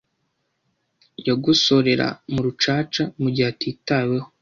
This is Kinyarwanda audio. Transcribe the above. yagosorera mu rucaca mugihe atitaweho